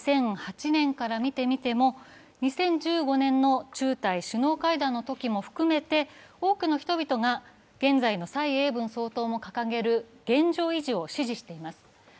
２００８年から見ても２０１５年の中台首脳会談のときを含めて、多くの人々が現在の蔡英文総統の掲げる現状維持を支持しています。